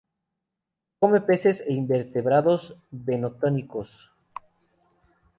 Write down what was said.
Come peces e invertebrados bentónicos.